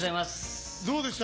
どうでした？